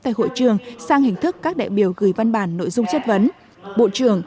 tại hội trường sang hình thức các đại biểu gửi văn bản nội dung chất vấn bộ trưởng